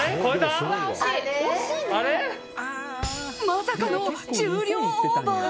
まさかの重量オーバー。